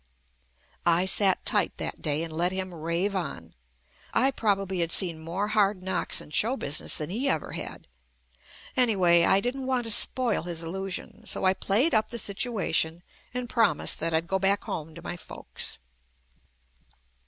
I sat tight that day and let him rave on. I probably had seen more hard knocks in show business than he ever had. Anyway, I didn't want to spoil his illusion so I played up the situation and promised that I'd go back home to my folks.